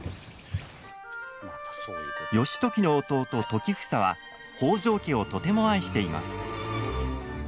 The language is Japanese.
義時の弟、時房は北条家をとても愛しています。